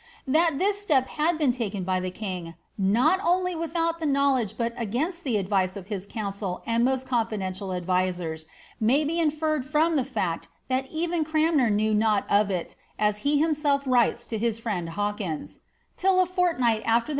That this step had been taken by the king, not only without the knowledge but against the advice of his council and most confidential advisers may be inferred from ihe fact that even Cranmer knew not of it, as he himself writes to his friend Hawkins, ^' till a fortnight afler the 'Btomefteld's History of Norfolk.